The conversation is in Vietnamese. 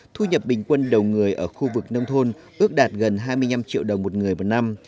thu nhập bình quân đầu người ở khu vực nông thôn ước đạt gần hai mươi năm triệu đồng một người một năm